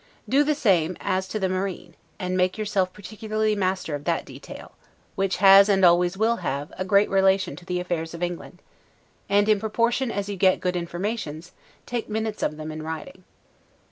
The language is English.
Do the same as to the marine, and make yourself particularly master of that detail; which has, and always will have, a great relation to the affairs of England; and, in proportion as you get good informations, take minutes of them in writing.